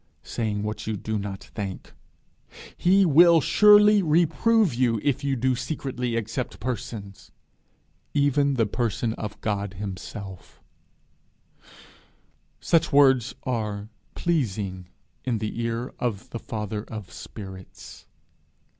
saying what you do not think? 'He will surely reprove you, if ye do secretly accept persons!' even the person of God himself! Such words are pleasing in the ear of the father of spirits.